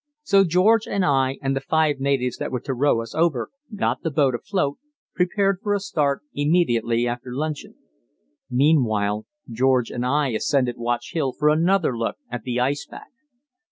So George and I and the five natives that were to row us over got the boat afloat, prepared for a start immediately after luncheon. Meanwhile George and I ascended Watch Hill for another look at the ice pack.